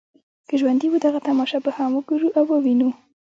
که ژوندي وو دغه تماشه به هم وګورو او وینو.